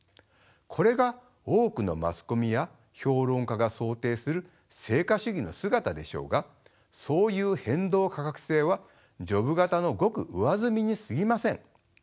これが多くのマスコミや評論家が想定する成果主義の姿でしょうがそういう変動価格制はジョブ型のごく上澄みにすぎません。